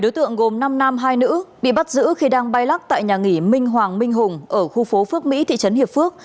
ba đối tượng gồm năm nam hai nữ bị bắt giữ khi đang bay lắc tại nhà nghỉ minh hoàng minh hùng ở khu phố phước mỹ thị trấn hiệp phước